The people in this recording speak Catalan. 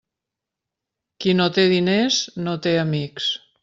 Qui no té diners, no té amics.